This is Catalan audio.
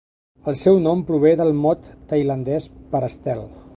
El seu nom prové del mot tailandès per estel.